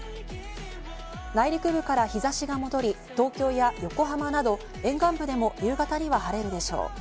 内陸部から日差しが戻り、東京や横浜など沿岸部でも夕方には晴れるでしょう。